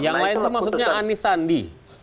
yang lain itu maksudnya anies sandi